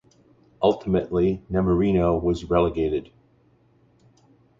Ultimately Nemorino was relegated.